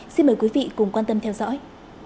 xin mời quý vị cùng quan tâm theo dõi